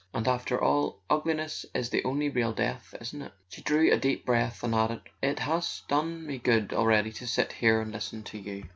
And after all, ugliness is the only real death, isn't it?" She drew a deep breath and added: "It has done me good already to sit here and listen to you."